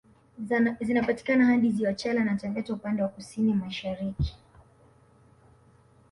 Zinapatikana hadi ziwa Chala na Taveta upande wa kusini mashariki